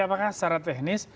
apakah secara teknis